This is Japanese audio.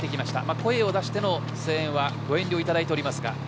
声を出しての声援はご遠慮いただいていますが。